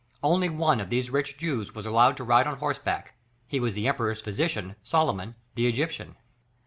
Only one of these rich Jews was allowed to ride on horseback, he was the Emperor's physician, Solomon, the Egyptian.